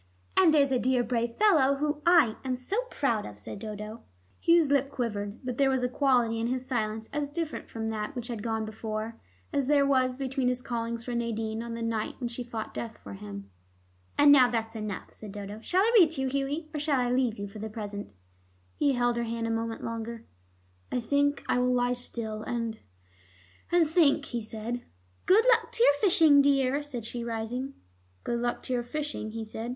"And there's a dear brave fellow whom I am so proud of," said Dodo. Hugh's lip quivered, but there was a quality in his silence as different from that which had gone before, as there was between his callings for Nadine on the night when she fought death for him. "And now that's enough," said Dodo. "Shall I read to you, Hughie, or shall I leave you for the present?" He held her hand a moment longer. "I think I will lie still and and think," he said. "Good luck to your fishing, dear," said she, rising. "Good luck to your fishing?" he said.